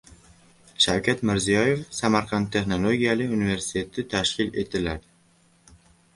Shavkat Mirziyoyev: Samarqand texnologiya universiteti tashkil etiladi